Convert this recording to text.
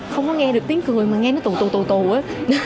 không có nghe được tiếng cười mà nghe nó tù tù tù tù á